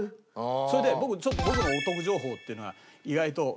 それでちょっと僕のお得情報っていうのが意外と。